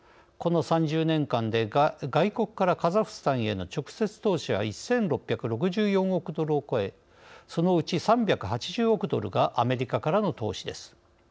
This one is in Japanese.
この３０年間で外国からカザフスタンへの直接投資は１，６６４億ドルを超えそのうち３８０億ドルがアメリカからの投資です。